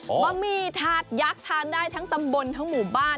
บะหมี่ถาดยักษ์ทานได้ทั้งตำบลทั้งหมู่บ้าน